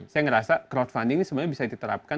saya ngerasa crowdfunding ini sebenarnya bisa diterapkan